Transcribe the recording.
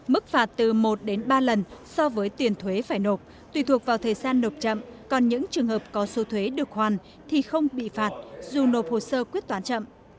mức phạt từ một đến ba lần so với tiền thuế phải nộp tùy thuộc vào thời gian nộp chậm còn những trường hợp có số thuế được hoàn thì không bị phạt dù nộp hồ sơ quyết toán chậm